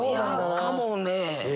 かもね。